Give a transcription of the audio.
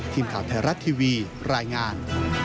ทีมข่าวไทยรัฐทีวีรายงาน